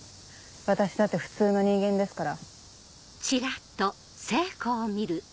私だって普通の人間ですから。